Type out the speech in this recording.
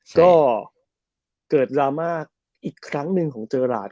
ก็เกิดดราม่าอีกครั้งหนึ่งของเจอราช